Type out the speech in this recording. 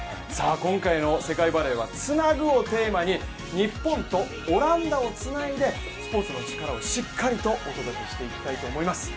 今回の世界バレーは「ツナグ」をテーマに、日本とオランダをつないで「スポーツのチカラ」をしっかりとお届けしていきたいと思います